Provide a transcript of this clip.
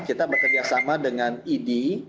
kita bekerjasama dengan idi